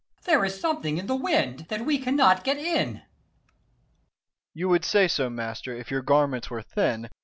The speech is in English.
Ant. E. There is something in the wind, that we cannot get in. Dro. E. You would say so, master, if your garments were thin.